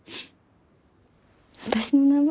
私の名前？